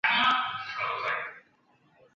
西沙折额蟹为蜘蛛蟹总科折额蟹属的动物。